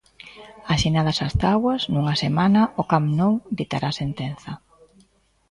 Asinadas as táboas, nunha semana o Camp Nou ditará sentenza.